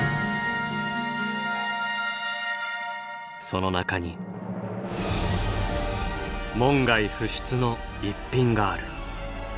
その中に門外不出の逸品がある。